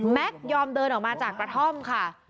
ยอมเดินออกมาจากกระท่อมค่ะ